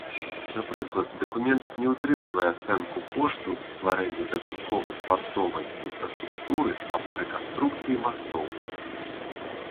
Напрыклад, дакумент не ўтрымлівае ацэнку кошту стварэння дадатковай партовай інфраструктуры або рэканструкцыі мастоў.